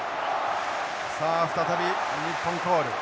さあ再び日本コール。